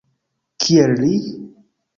Kiel li?